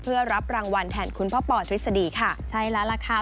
เพื่อรับรางวัลแทนคุณพ่อปอทฤษฎีค่ะใช่แล้วล่ะค่ะ